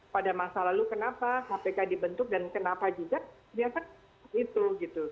pada masa lalu kenapa kpk dibentuk dan kenapa juga biasa itu gitu